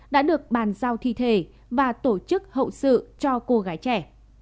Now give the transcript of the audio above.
đã được bàn giao thi thể và tổ chức hậu sự cho cô gái trẻ